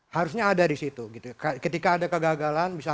harusnya ada disitu gitu ketika ada kegagalan misalnya